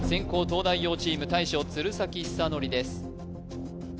東大王チーム大将鶴崎修功です